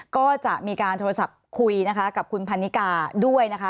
ก็จะมีการโทรศัพท์คุยนะคะกับคุณพันนิกาด้วยนะคะ